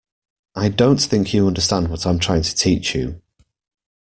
I don't think you understand what I'm trying to teach you.